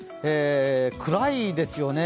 暗いですよね。